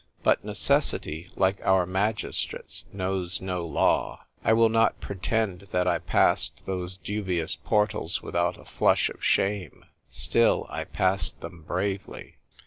But necessity, like our magistrates, knows no law. 1 will not pretend that 1 passed those dubious portals without a flush of shame. Still, I passed them bravely.